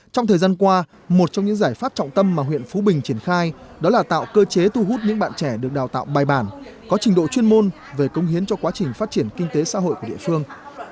trong thời gian qua một trong những giải pháp trọng tâm mà huyện phú bình triển khai đó là tạo cơ chế thu hút những bạn trẻ được đào tạo bài bản có trình độ chuyên môn về công hiến cho quá trình phát triển kinh tế xã hội của địa phương